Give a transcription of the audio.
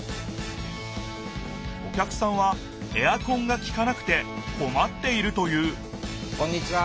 お客さんはエアコンがきかなくてこまっているというこんにちは！